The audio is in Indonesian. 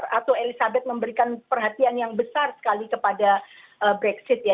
ratu elizabeth memberikan perhatian yang besar sekali kepada brexit ya